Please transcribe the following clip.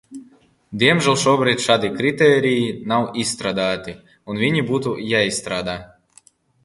Diemžēl šobrīd šādi kritēriji nav izstrādāti, un viņi būtu jāizstrādā.